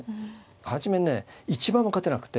初めね１番も勝てなくて。